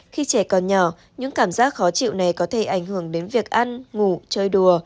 khi trẻ còn nhỏ những cảm giác khó chịu này có thể ảnh hưởng đến việc ăn ngủ chơi đùa